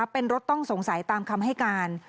เป็นรถต้องสงสัยตามคำให้การ